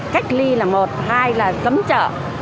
cách ly là một hai là cấm chợ